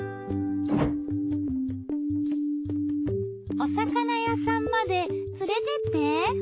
お魚屋さんまで連れてって。